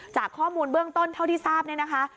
จากข้อมูลเบื้องต้นเท่าที่ทราบเนี่ยนะคะ